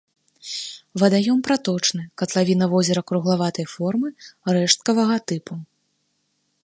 Вадаём праточны, катлавіна возера круглаватай формы, рэшткавага тыпу.